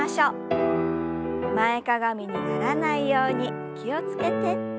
前かがみにならないように気を付けて。